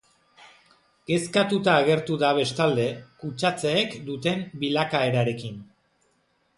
Kezkatuta agertu da, bestalde, kutsatzeek duten bilakaerarekin.